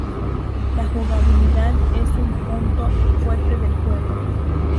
La jugabilidad es un punto fuerte del juego.